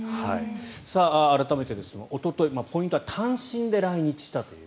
改めて、おとといポイントは単身で来日したという。